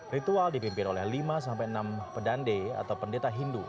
ritual dipimpin oleh lima enam pedande atau pendeta hindu